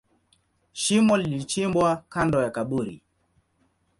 Shimo lilichimbwa kando ya kaburi.